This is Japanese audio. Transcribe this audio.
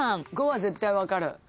５は絶対分かる。